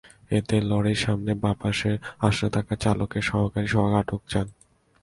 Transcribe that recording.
এতে লরির সামনের বাঁ পাশের আসনে থাকা চালকের সহকারী সোহাগ আটকে যান।